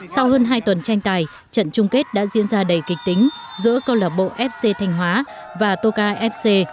sau hơn hai tuần tranh tài trận chung kết đã diễn ra đầy kịch tính giữa câu lạc bộ fc thanh hóa và toka fc